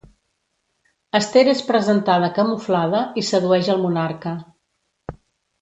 Ester és presentada camuflada i sedueix el monarca.